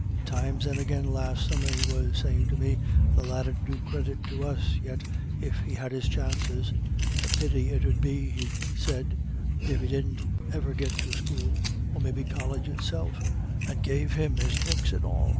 "Times and agin last summer he was sayin' to me the lad 'ud do credit to us yet if he had his chances. A pity it 'ud be, he said, if he didn't iver git to school, or maybe College itself. And gave him his books and all.